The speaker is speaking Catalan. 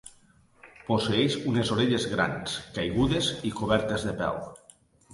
Posseeix unes orelles grans, caigudes i cobertes de pèl.